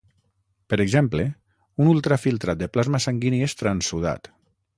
Per exemple, un ultrafiltrat de plasma sanguini és transsudat.